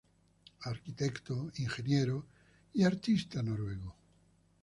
Arquitecto, ingeniero y artista noruego.